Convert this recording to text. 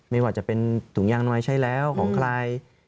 ไม่ว่าจะเป็นถุงยางน้อยใช้แล้วของใคร